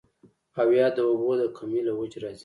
او يا د اوبو د کمۍ له وجې راځي